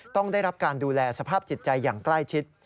ต้องได้รับการดูแลสภาพจิตใจอย่างใกล้ชิด